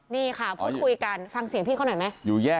นี่ค่ะพูดคุยกันฟังเสียงพี่เขาหน่อยไหม